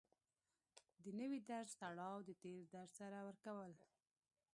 د نوي درس تړاو د تېر درس سره ورکول